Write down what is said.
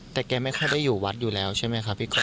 แต่แกไม่ค่อยได้อยู่วัดอยู่แล้วใช่ไหมครับพี่ก๊